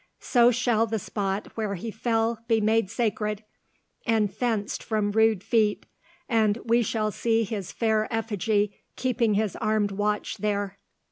So shall the spot where he fell be made sacred, and fenced from rude feet, and we shall see his fair effigy keeping his armed watch there."